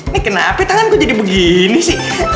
nih kenapa tangan ku jadi begini sih